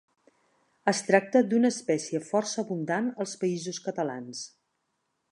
Es tracta d'una espècie força abundant als Països Catalans.